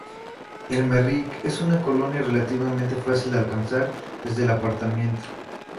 El Merrick es una colina relativamente fácil de alcanzar desde el aparcamiento.